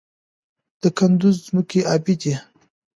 د کندز ځمکې ابي دي